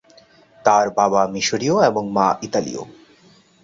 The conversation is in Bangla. তার বাবা মিশরীয় এবং মা ইতালীয়।